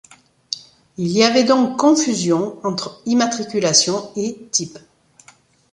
Il y avait donc confusion entre immatriculation et type.